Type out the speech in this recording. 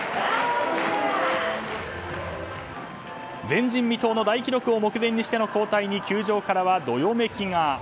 前人未到の大記録を目前にしての交代に球場からは、どよめきが。